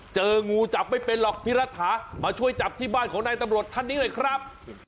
เจองูจับไม่เป็นหรอกพี่รัฐามาช่วยจับที่บ้านของนายตำรวจท่านนี้หน่อยครับ